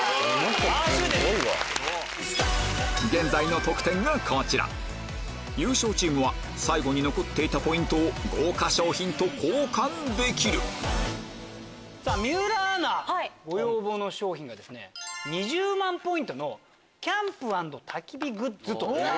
現在の得点がこちら優勝チームは最後に残っていたポイントを豪華賞品と交換できる水卜アナご要望の商品が２０万ポイントのキャンプ＆焚き火グッズ。